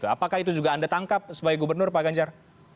apakah itu juga anda tangkap sebagai gubernur pak ganjar